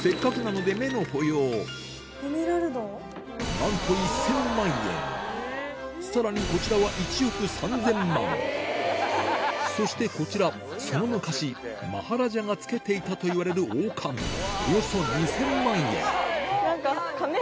なんとさらにこちらはそしてこちらその昔マハラジャが着けていたといわれる王冠ＯＫ！